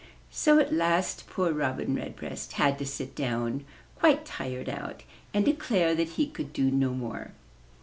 So at last poor Robin Redbreast had to sit down, quite tired out, and declare that he could do no more.